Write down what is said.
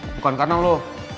bukan karena lo